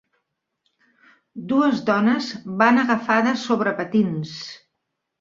Dues dones van agafades sobre patins.